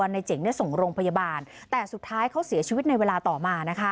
แล้วนายเจ๋งส่งรงพยาบาลแต่สุดท้ายเขาเสียชีวิตในเวลาต่อมา